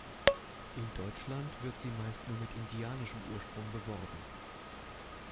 In Deutschland wird sie meist nur mit indianischem Ursprung beworben.